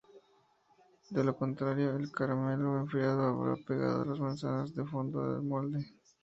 De lo contrario, el caramelo enfriado habrá pegado las manzanas al fondo del molde.